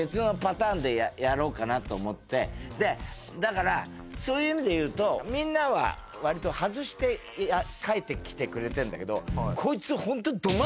でだからそういう意味でいうとみんなは割と外して書いてきてくれてるんだけど。